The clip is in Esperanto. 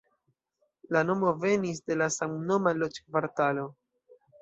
La nomo venis de la samnoma loĝkvartalo.